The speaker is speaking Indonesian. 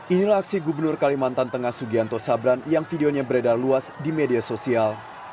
inilah aksi gubernur kalimantan tengah sugianto sabran yang videonya beredar luas di media sosial